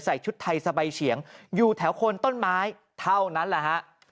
ชุดไทยสบายเฉียงอยู่แถวโคนต้นไม้เท่านั้นแหละฮะ